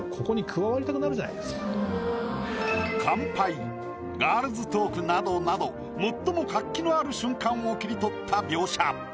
乾杯ガールズトークなどなど最も活気のある瞬間を切り取った描写。